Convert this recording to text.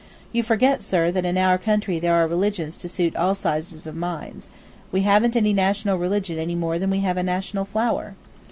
You forget, sir, that in our country there are religions to suit all sizes of minds. We haven't any national religion any more than we have a national flower."